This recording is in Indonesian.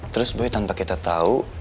terus boy tanpa kita tau